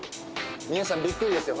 皆さんびっくりですよ